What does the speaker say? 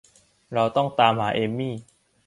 เราต้องตามหาเอมี่